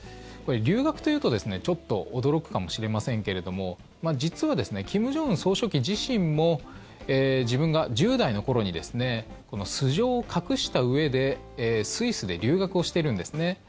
留学というと、ちょっと驚くかもしれませんけれども実は、金正恩総書記自身も自分が１０代の頃に素性を隠したうえでスイスで留学をしてるんですね。